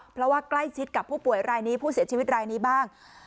เพราะว่าใกล้ชิดกับผู้ป่วยรายนี้ผู้เสียชีวิตรายนี้บ้าง